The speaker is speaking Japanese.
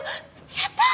やったー！